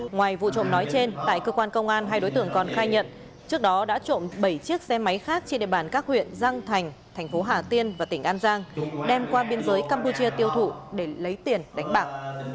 ngoài vụ trộm nói trên tại cơ quan công an hai đối tượng còn khai nhận trước đó đã trộm bảy chiếc xe máy khác trên địa bàn các huyện giang thành thành phố hà tiên và tỉnh an giang đem qua biên giới campuchia tiêu thụ để lấy tiền đánh bạc